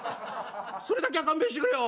それだけは勘弁してくれよ」。